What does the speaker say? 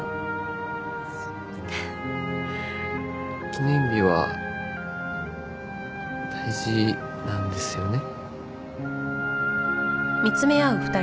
記念日は大事なんですよね？